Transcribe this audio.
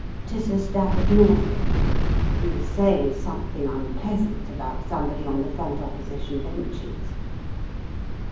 to Sir Stafford Northcote, who is saying something unpleasant about somebody on the front Opposition benches.